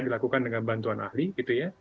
dilakukan dengan bantuan ahli gitu ya